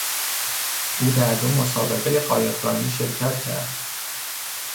او در دو مسابقهی قایقرانی شرکت کرد.